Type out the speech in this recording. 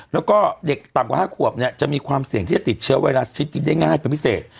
แล้วก็เด็กต่ำกว่า๕ขวบเนี่ยจะมีความเสี่ยงที่จะติดเชื้อไวรัสชีวิตได้ง่ายเป็นพิเศษ